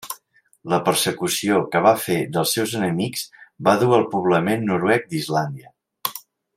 La persecució que va fer dels seus enemics va dur al poblament noruec d'Islàndia.